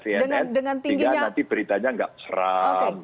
sehingga nanti beritanya nggak seram